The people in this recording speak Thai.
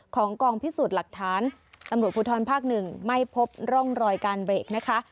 ของกองพิสูจน์หลักฐานตำรวจผู้ทรพภ๑ไม่พบร่องรอยการเบรกนะคะ